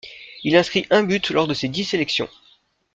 Il inscrit un but lors de ses dix sélections.